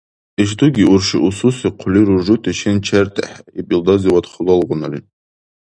— Ишдуги урши усуси хъули руржути шин чертӀехӀе, — иб илдазивад халалгъунали.